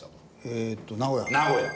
えーと名古屋。